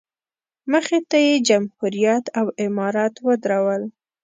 مخې ته یې جمهوریت او امارت ودرول.